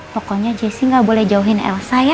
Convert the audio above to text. pokoknya jessy gak boleh jauhin elsa ya